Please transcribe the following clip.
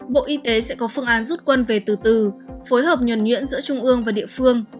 bộ y tế sẽ có phương án rút quân về từ từ phối hợp nhuẩn nhuyễn giữa trung ương và địa phương